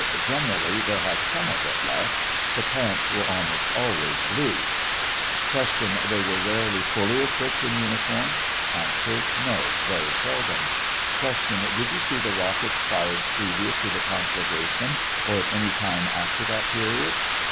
Generally they had some of it left ; the pants were almost always blue. 40 Q. They were rarely fully equipped in uniform ? A. No ; very seldom. Q. Did you see the rockets fired previous to the con flagration, or at any time after that period